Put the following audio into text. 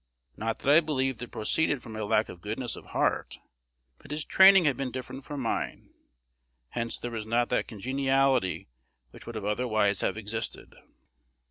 Not that I believed it proceeded from a lack of goodness of heart: but his training had been different from mine; hence there was not that congeniality which would otherwise have existed.